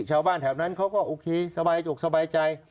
ชาวบ้านแถวนั้นเขาก็โอเคสบายจกสบายใจ